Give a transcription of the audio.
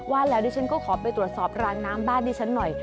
ว่าแล้วดิฉันก็ขอไปตรวจสอบรางน้ำบ้านดิฉันหน่อย